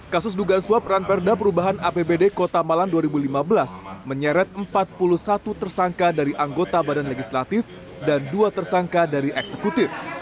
kasus dugaan suap ranperda perubahan apbd kota malang dua ribu lima belas menyeret empat puluh satu tersangka dari anggota badan legislatif dan dua tersangka dari eksekutif